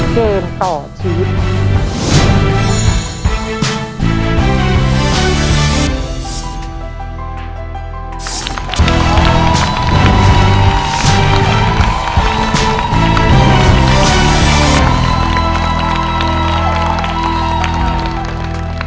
เกมต่อชีวิต